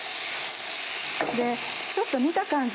ちょっと見た感じ